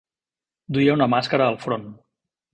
Duia una mascara al front.